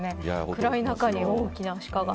暗い中に大きなシカが。